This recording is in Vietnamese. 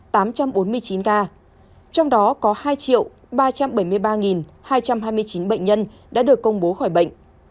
trong đó có hai ba trăm bảy mươi ba hai trăm hai mươi chín bệnh nhân đã được công bố khỏi bệnh